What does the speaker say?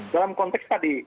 dalam konteks tadi